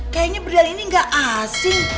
kayaknya berdal ini gak asing